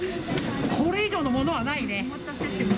これ以上のものはないね。